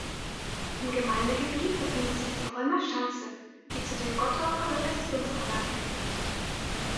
Im Gemeindegebiet befindet sich die Holmer Schanze, die zu den Gottorfer Befestigungsanlagen gehört.